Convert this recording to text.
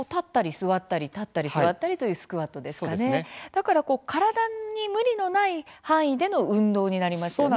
だからこう体に無理のない範囲での運動になりますよね。